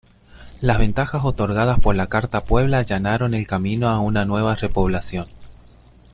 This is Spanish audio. Las ventajas otorgadas por la Carta Puebla allanaron el camino a una nueva repoblación.